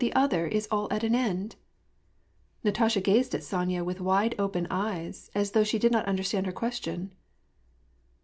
ie other is all at an end ?" Natasha gazed at Sonya with wid&open eyes, as though she did not understand her question.